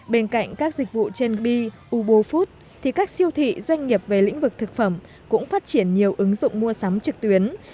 bên cạnh các dịch vụ trên bi ubo food thì các siêu thị doanh nghiệp về lĩnh vực thực phẩm cũng phát triển nhiều ứng dụng mua sắm trực tuyến